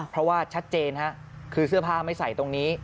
เพราะว่าชัดเจนฮะคือเสื้อผ้าไม่ใส่ตรงนี้